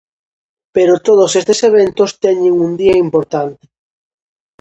Pero todos estes eventos teñen un día importante.